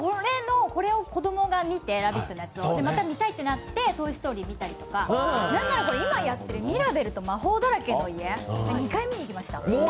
これを子供が見て、「ラヴィット！」のやつを、それでもう１回、「トイ・ストーリー」見たりとか、「ミラベルと魔法だらけの家」２回見に行きました。